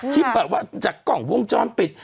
คลิปแบบว่าจากกล่องวงจ้อนปิด